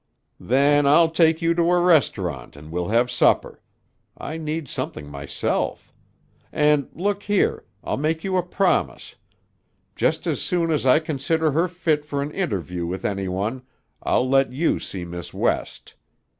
"Then I'll take you to a restaurant and we'll have supper. I need something myself. And, look here, I'll make you a promise. Just as soon as I consider her fit for an interview with any one, I'll let you see Miss West.